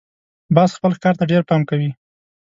باز خپل ښکار ته ډېر پام کوي